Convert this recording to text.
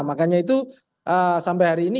makanya itu sampai hari ini